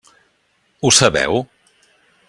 Ho sabeu?